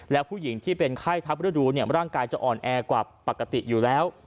แล้วผู้หญิงที่เป็นไข้ทับฤดูร่างกายจะอ่อนแอกว่าปกติอยู่แล้ว